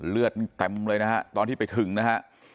เลือดเต็มเลยนะฮะตอนที่ไปถึงนะฮะ